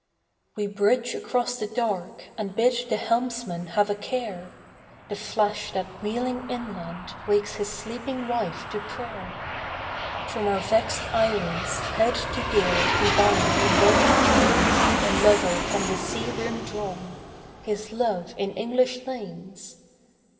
We bridge across the dark, and bid the helmsman have a care, The flash that wheeling inland wakes his sleeping wife to prayer; From our vexed eyries, head to gale, we bind in burning chains The lover from the sea rim drawn his love in English lanes.